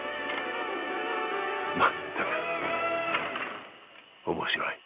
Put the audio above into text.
まったく面白い！